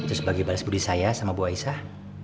itu sebagai balas budi saya sama bu aisyah